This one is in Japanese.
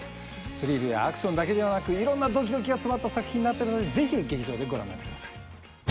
スリルやアクションだけではなくいろんなドキドキが詰まった作品になっているので是非劇場でご覧になって下さい。